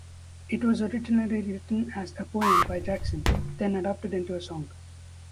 It was originally written as a poem by Jackson, then adapted into a song.